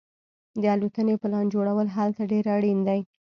د الوتنې پلان جوړول هلته ډیر اړین دي